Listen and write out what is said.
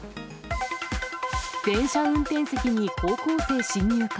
電車運転席に高校生侵入か。